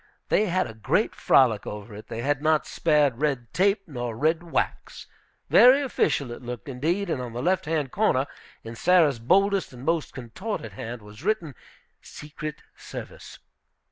They had a great frolic over it. They had not spared red tape nor red wax. Very official it looked, indeed, and on the left hand corner, in Sarah's boldest and most contorted hand, was written, "Secret service."